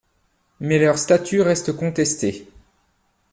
Mais leur statut reste contesté.